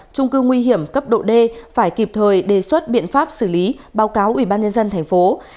trung cư nguy hiểm cấp độ d phải kịp thời đề xuất biện pháp xử lý báo cáo ubnd tp